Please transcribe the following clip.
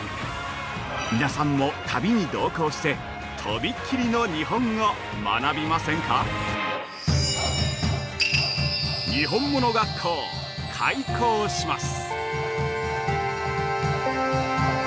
皆さんも旅に同行して飛びっ切りの日本を学びませんか。にほんもの学校、開校します！